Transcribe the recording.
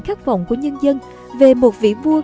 khắc vọng của nhân dân về một vị vua